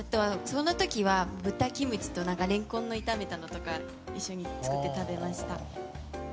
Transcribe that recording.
その時は、豚キムチとレンコンの炒めたのとかを一緒に作って食べました。